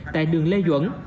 tại đường lê duẩn